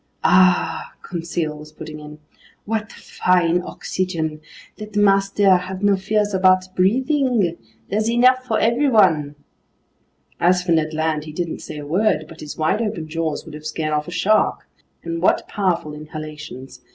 "Ahhh!" Conseil was putting in. "What fine oxygen! Let master have no fears about breathing. There's enough for everyone." As for Ned Land, he didn't say a word, but his wide open jaws would have scared off a shark. And what powerful inhalations!